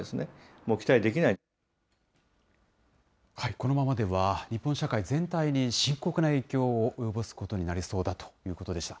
このままでは日本社会全体に深刻な影響を及ぼすことになりそうだということでした。